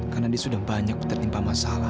karena dia sudah banyak tertimpa masalah